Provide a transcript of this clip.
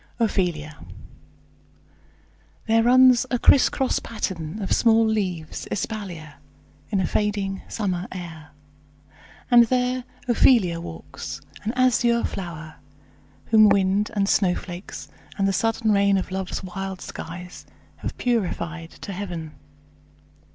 OPHELIA There runs a crisscross pattern of small leaves Espalier, in a fading summer air, And there Ophelia walks, an azure flower, Whom wind, and snowflakes, and the sudden rain Of love's wild skies have purified to heaven.